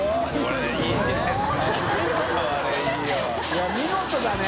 いや見事だね。